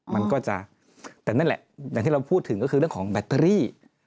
มันก็จะแต่นั่นแหละอย่างที่เราพูดถึงก็คือเรื่องของแบตเตอรี่